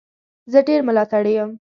زه ډېر ملاتړي لرم.